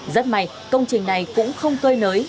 rất may công trình này cũng không cơi nới